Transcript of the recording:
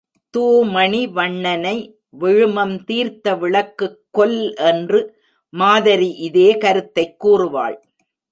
தூமணி வண்ணனை விழுமம் தீர்த்த விளக்குக் கொல் என்று மாதரி இதே கருத்தைக் கூறுவாள்.